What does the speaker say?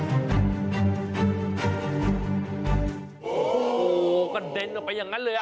โอ้โหกระเด็นออกไปอย่างนั้นเลย